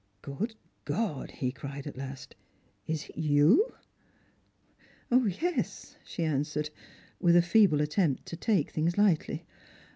" Good God," he cried at last, " is it you ?"" Yes," she answered, with a feeble attempt to take things lightly.